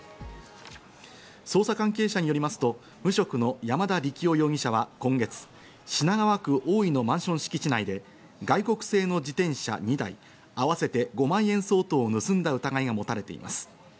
捜査関係者によりますと、無職の山田力男容疑者は今月、品川区大井のマンション敷地内で外国製の自転車２台、合わせて５万円相当を盗んだ疑いが持たれています。